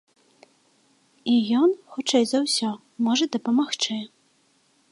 І ён, хутчэй за ўсё, можа дапамагчы.